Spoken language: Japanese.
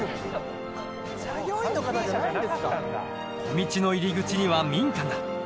小道の入り口には民家が。